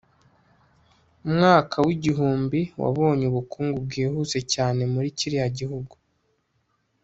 umwaka wa ighumbi wabonye ubukungu bwihuse cyane muri kiriya gihugu